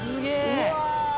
うわ！